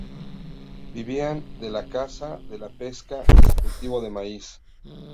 Vivían de la caza, de la pesca y del cultivo del maíz.